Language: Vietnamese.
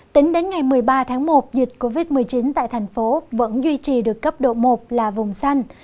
tính đến ngày một mươi ba tháng một dịch covid một mươi chín tại thành phố vẫn duy trì được cấp độ một là vùng xanh